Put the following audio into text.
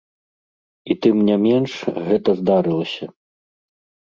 І тым не менш, гэта здарылася.